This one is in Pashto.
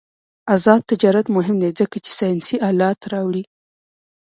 آزاد تجارت مهم دی ځکه چې ساینسي آلات راوړي.